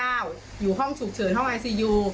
พี่สาวของเธอบอกว่ามันเกิดอะไรขึ้นกับพี่สาวของเธอ